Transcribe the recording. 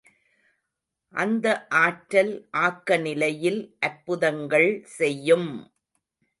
அந்த ஆற்றல் ஆக்கநிலையில் அற்புதங்கள் செய்யும்!